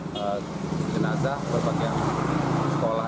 dan menjelaskan berbagai korban